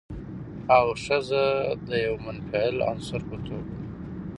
او ښځه د يوه منفعل عنصر په توګه